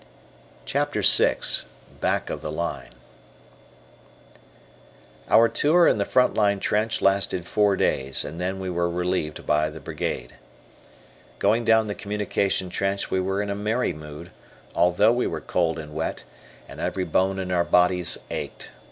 CHAPTER VI "BACK OF THE LINE" Our tour in the front line trench lasted four days, and then we were relieved by the Brigade. Going down the communication trench we were in a merry mood, although we were cold and wet, and every bone in our bodies ached.